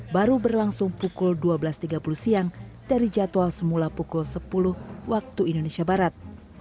baru berlangsung pukul dua belas tiga puluh siang dari jadwal semula pukul sepuluh waktu indonesia barat